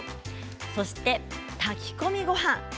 そして、炊き込みごはん。